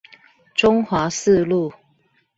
中華四路